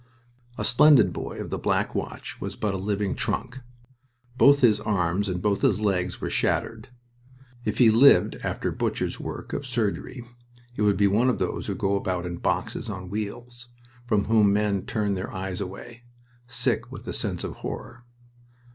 A splendid boy of the Black Watch was but a living trunk. Both his arms and both his legs were shattered. If he lived after butcher's work of surgery he would be one of those who go about in boxes on wheels, from whom men turn their eyes away, sick with a sense of horror.